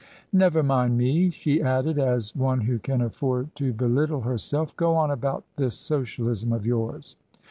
" Never mind me," she added, as one who can afford to belittle herself; "go on about this Socialism of yours."